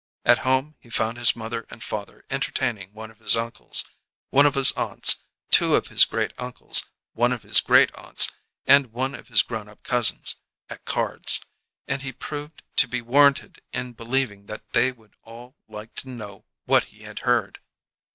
At home he found his mother and father entertaining one of his uncles, one of his aunts, two of his great uncles, one of his great aunts, and one of his grown up cousins, at cards: and he proved to be warranted in believing that they would all like to know what he had heard.